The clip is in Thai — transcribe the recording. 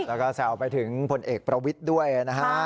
แล้วก็แซวไปถึงพลเอกประวิทย์ด้วยนะฮะ